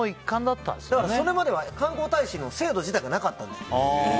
それまでは観光大使の制度自体なかったんです。